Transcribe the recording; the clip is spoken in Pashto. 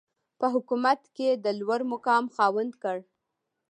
په حکومت کې د لوړمقام خاوند کړ.